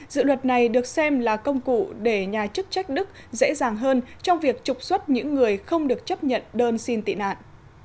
dự luật này được xem là công cụ để nhà chức trách đức dễ dàng hơn trong việc trục xuất những người không được chấp nhận đơn xin tị nạn